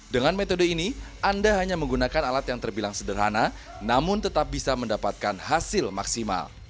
dengan metode ini anda hanya menggunakan alat yang terbilang sederhana namun tetap bisa mendapatkan hasil maksimal